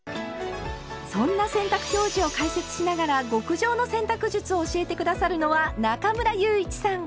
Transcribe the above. そんな洗濯表示を解説しながら極上の洗濯術を教えて下さるのは中村祐一さん。